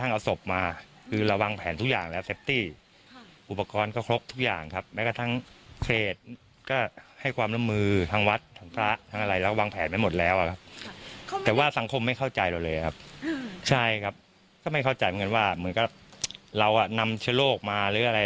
ก็ไม่เข้าใจเหมือนกันว่าเรานำเชื้อโรคมาหรืออะไร